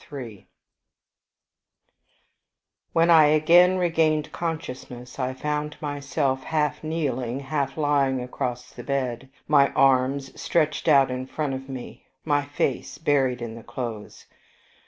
... VI When I again became conscious, I found myself half kneeling, half lying across the bed, my arms stretched out in front of me, my face buried in the clothes.